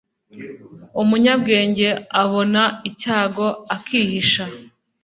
Umunyabwenge abona icyago akihisha